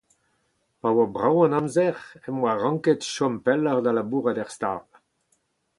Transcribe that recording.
Pa oa brav an amzer em boa ranket chom pelloc’h da labourat er stal.